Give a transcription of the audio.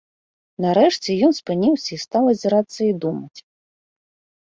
Нарэшце ён спыніўся і стаў азірацца і думаць.